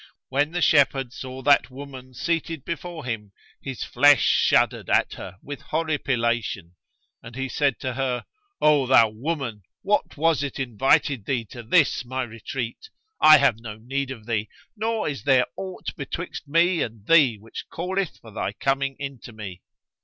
When the shepherd saw that woman seated before him, his flesh shuddered at her with horripilation[FN#146] and he said to her, 'O thou woman, what was it invited thee to this my retreat? I have no need of thee, nor is there aught betwixt me and thee which calleth for thy coming in to me."